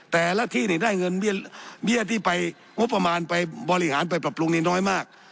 แต่ละที่ได้เงินเบี้ยที่ไปงบประมาณไปบริหารไปปรับปรุงนี้น้อยมาก